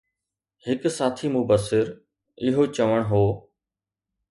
هڪ ساٿي مبصر اهو چوڻ هو